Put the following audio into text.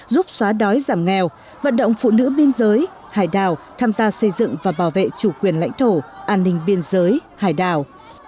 giúp xóa đói giảm nghèo vận động phụ nữ biên giới hải đảo tham gia xây dựng và bảo vệ chủ quyền lãnh thổ an ninh biên giới hải đảo